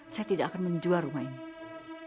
saya tidak akan menjual rumah ini